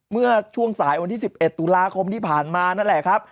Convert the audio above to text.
เมื่อช่วงสายวันที่๑๑ตุลาคมที่ผ่านมานั่นแหละครับ